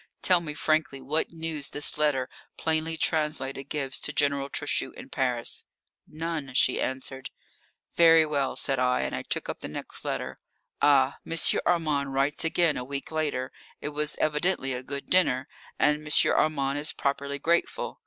Tell me frankly what news this letter, plainly translated, gives to General Trochu in Paris." "None," she answered. "Very well," said I, and I took up the next letter. Ah, M. Armand writes again a week later. It was evidently a good dinner, and M. Armand is properly grateful.